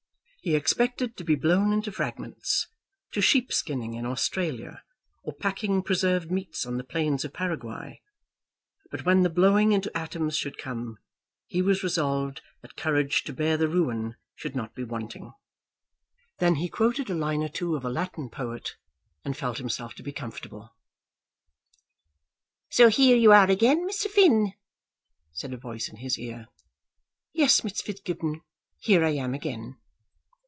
He expected to be blown into fragments, to sheep skinning in Australia, or packing preserved meats on the plains of Paraguay; but when the blowing into atoms should come, he was resolved that courage to bear the ruin should not be wanting. Then he quoted a line or two of a Latin poet, and felt himself to be comfortable. "So, here you are again, Mr. Finn," said a voice in his ear. "Yes, Miss Fitzgibbon; here I am again."